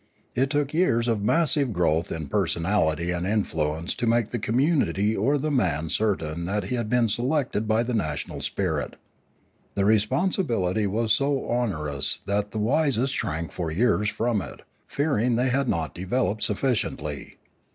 It took years of massive growth in personality and influ ence to make the community or the man certain that he had been selected by the national spirit. The re sponsibility was so onerous that the wisest shrank for years from it, fearing they had not developed suffi ciently.